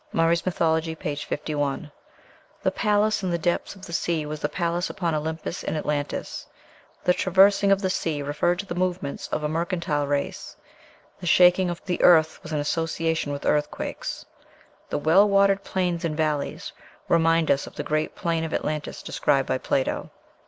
(Murray's "Mythology," p. 51.) The palace in the depths of the sea was the palace upon Olympus in Atlantis; the traversing of the sea referred to the movements of a mercantile race; the shaking of POSEIDON, OR NEPTUNE. the earth was an association with earthquakes; the "well watered plains and valleys" remind us of the great plain of Atlantis described by Plato.